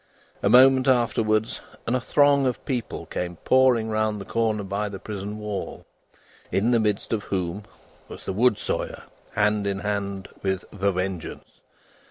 A moment afterwards, and a throng of people came pouring round the corner by the prison wall, in the midst of whom was the wood sawyer hand in hand with The Vengeance.